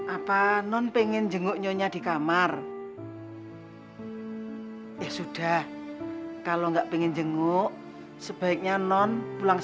apa non pengen jenguk nyonya di kamar ya sudah kalau enggak pengen jenguk sebaiknya non pulang